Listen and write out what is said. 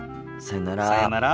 さようなら。